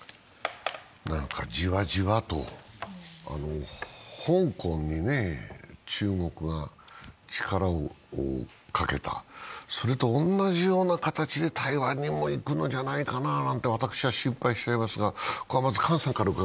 じわじわと、香港に中国が力をかけた、それと同じような形で台湾にもいくのじゃないのかなと心配してしまいますが。